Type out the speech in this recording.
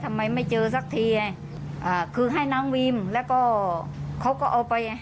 ทำไมไม่เจอสักทีคือให้น้องบีมแล้วก็เขาก็เอาไป